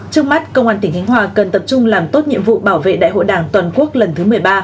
trước mắt công an tỉnh khánh hòa cần tập trung làm tốt nhiệm vụ bảo vệ đại hội đảng toàn quốc lần thứ một mươi ba